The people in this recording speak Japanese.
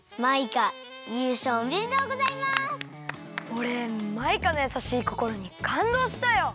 おれマイカのやさしいこころにかんどうしたよ！